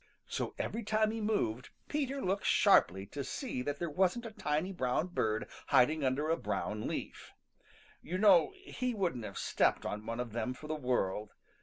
So every time he moved Peter looked sharply to see that there wasn't a tiny brown bird hiding under a brown leaf. You know he wouldn't have stepped on one of them for the world.